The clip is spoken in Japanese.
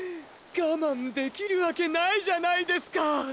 がまんできるわけないじゃないですか！！